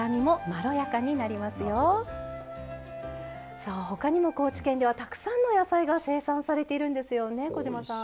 さあ他にも高知県ではたくさんの野菜が生産されているんですよね小島さん。